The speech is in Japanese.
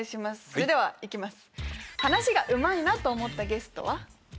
それではいきます。